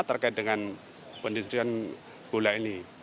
terkait dengan pendistrian gula ini